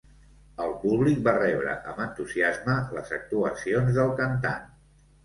El públic va rebre amb entusiasme les actuacions del cantant.